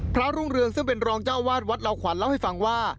รุ่งเรืองซึ่งเป็นรองเจ้าวาดวัดเหล่าขวัญเล่าให้ฟังว่า